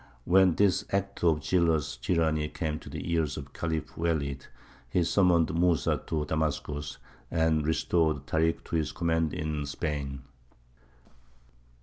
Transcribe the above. When this act of jealous tyranny came to the ears of the Khalif Welīd he summoned Mūsa to Damascus, and restored Tārik to his command in Spain.